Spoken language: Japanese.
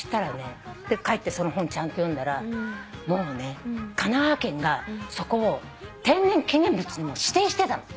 帰ってその本ちゃんと読んだらもうね神奈川県がそこを天然記念物に指定してたの。